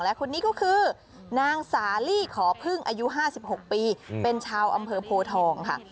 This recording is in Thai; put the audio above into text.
และคนนี้ก็คือนางสาลีขอพึ่งอายุ๕๖ปีเป็นชาวอำเภอโพทองค่ะ